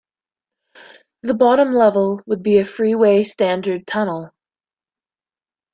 The bottom level would be a freeway standard tunnel.